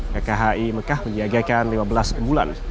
pki mekah menjagaikan lima belas bulan